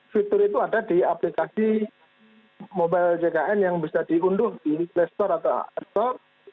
fitur itu ada di aplikasi mobile jkn yang bisa diunduh di play store atau app store